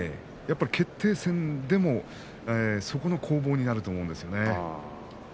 やはり決定戦でもそこの攻防になると思います。